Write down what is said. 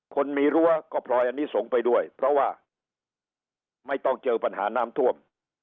คนมีรั้วก็พลอยอันนี้ส่งไปด้วยเพราะว่าไม่ต้องเจอปัญหาน้ำท่วม